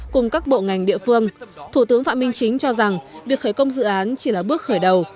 cùng các bộ ngành địa phương thủ tướng phạm minh chính cho rằng việc khởi công dự án chỉ là bước khởi đầu